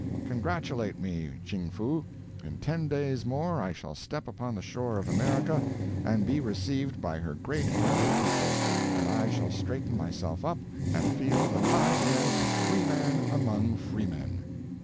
Congratulate me, Ching Foo! In ten days more I shall step upon the shore of America, and be received by her great hearted people; and I shall straighten myself up and feel that I am a free man among freemen.